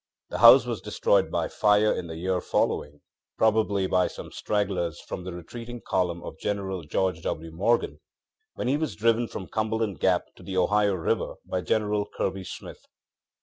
The house was destroyed by fire in the year followingŌĆöprobably by some stragglers from the retreating column of General George W. Morgan, when he was driven from Cumberland Gap to the Ohio river by General Kirby Smith.